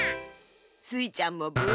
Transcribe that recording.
スイちゃんもブー。